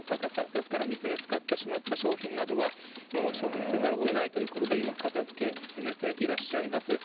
ですから、水につかってしまった商品などは、もう処分せざるをえないということで、今、片づけ進めていらっしゃいます。